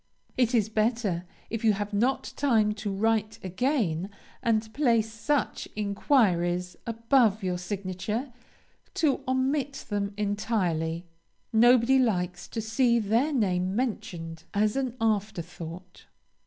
It is better, if you have not time to write again and place such inquiries above your signature, to omit them entirely. Nobody likes to see their name mentioned as an afterthought.